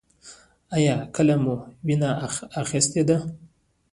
ایا کله مو وینه اخیستې ده؟